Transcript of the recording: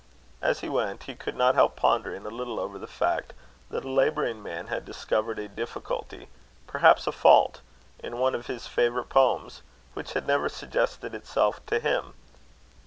As he went, he could not help pondering a little over the fact that a labouring man had discovered a difficulty, perhaps a fault, in one of his favourite poems, which had never suggested itself to him.